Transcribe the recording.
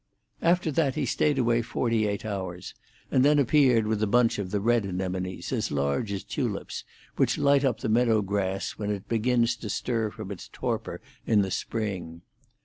After that he stayed away forty eight hours, and then appeared with a bunch of the red anemones, as large as tulips, which light up the meadow grass when it begins to stir from its torpor in the spring.